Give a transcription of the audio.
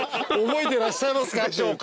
覚えてらっしゃいますかって。